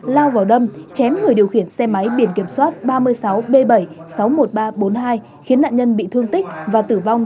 lao vào đâm chém người điều khiển xe máy biển kiểm soát ba mươi sáu b bảy sáu mươi một nghìn ba trăm bốn mươi hai khiến nạn nhân bị thương tích và tử vong